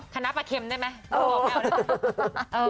ขนาดปลาเข็มได้ไหม